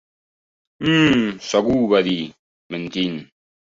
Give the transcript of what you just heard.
Um... segur, va dir, mentint.